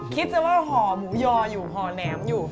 คิดจะว่าห่อหมูยออยู่ห่อแหนมอยู่